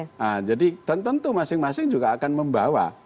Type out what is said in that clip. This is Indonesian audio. nah jadi tentu masing masing juga akan membawa